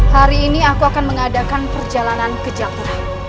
hari ini aku akan mengadakan perjalanan ke jakarta